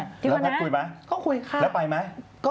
แล้วนัดคุยไหมแล้วไปไหม